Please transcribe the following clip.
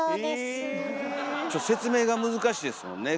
ちょっと説明が難しいですもんね。